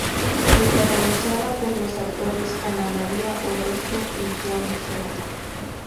Protagonizada por los actores Ana Maria Orozco y John Zea.